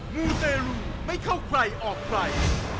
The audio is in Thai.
มูเตรลูไม่เข้าใครออกใคร